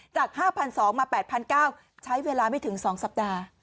จาก๕๒๐๐มา๘๙๐๐ใช้เวลาไม่ถึง๒สัปดาห์